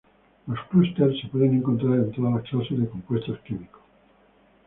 Los clúster se pueden encontrar en todas las clases de compuestos químicos.